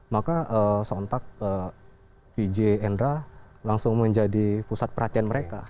maka sontak pj endra langsung menjadi pusat perhatian mereka